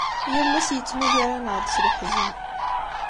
Yal ass yettmagar-aneɣ-d s leḥzen.